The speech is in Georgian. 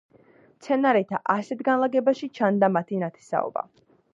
მცენარეთა ასეთ განლაგებაში ჩანდა მათი ნათესაობა.